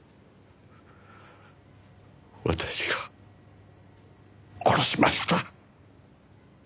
私が殺しました。